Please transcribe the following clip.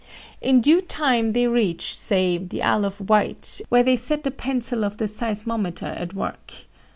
In due time they reach, say the Isle of Wight, where they set the pencil of the seismometer at work.